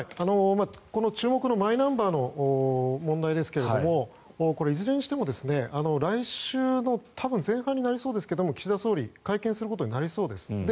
注目のマイナンバーの問題ですがこれ、いずれにしても来週の多分前半になりそうですが岸田総理会見することになりそうです。